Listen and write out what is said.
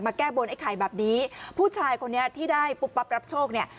แก้บนไอ้ไข่แบบนี้ผู้ชายคนนี้ที่ได้ปุ๊บปั๊บรับโชคเนี่ย